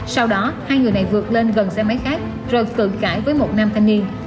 sau đó hai người này vượt lên gần xe máy khác rồi tự cãi với một nam thanh niên